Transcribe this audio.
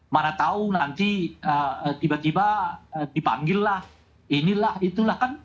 mana tahu nanti tiba tiba dipanggil lah inilah itulah kan